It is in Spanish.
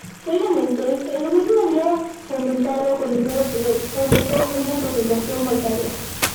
Previamente el gobierno había fomentado con dinero público una concentración bancaria.